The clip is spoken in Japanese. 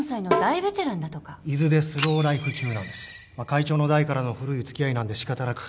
会長の代からの古い付き合いなんで仕方なく。